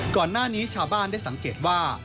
ก่อนหน้านี้ชาวบ้านได้สังเกตว่า